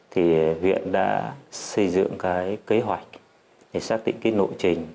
thì huyện đã xây dựng kế hoạch để xác định nội trình